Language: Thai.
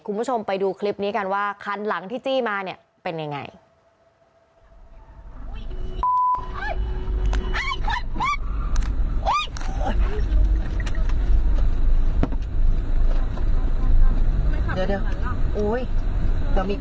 คุณผู้ชมไปดูคลิปนี้กันว่าคันหลังที่จี้มาเนี่ยเป็นยังไง